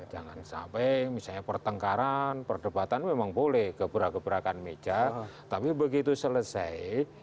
jangan sampai misalnya pertengkaran perdebatan memang boleh gebra gebrakan meja tapi begitu selesai